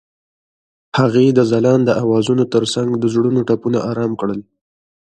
هغې د ځلانده اوازونو ترڅنګ د زړونو ټپونه آرام کړل.